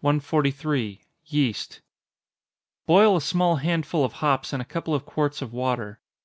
143. Yeast. Boil a small handful of hops in a couple of quarts of water.